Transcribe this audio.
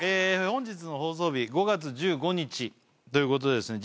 本日の放送日５月１５日ということですね